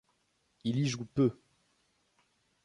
Il y joue peu.